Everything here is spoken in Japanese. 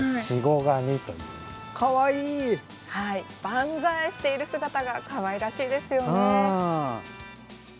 万歳している姿がかわいらしいですよね。